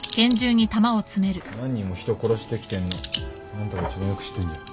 何人も人殺してきてんのあんたがいちばんよく知ってんじゃん。